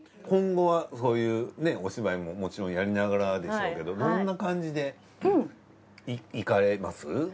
今後はそういうお芝居ももちろんやりながらでしょうけどどんな感じでいかれます？